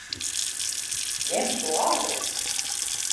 Ņem šo ātrāk!